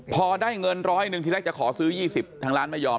พอได้เงินร้อยหนึ่งทีแรกจะขอซื้อ๒๐ทางร้านไม่ยอม